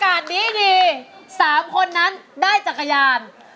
ถ้าไม่มีความร้องร้ายใครล้าง